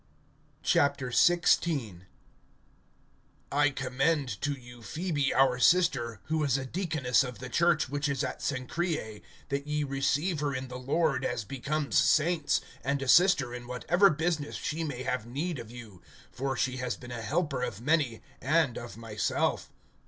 XVI. I COMMEND to you Phoebe our sister, who is a deaconess of the church which is at Cenchraea; (2)that ye receive her in the Lord as becomes saints, and assist her in whatever business she may have need of you; for she has been a helper of many, and of myself.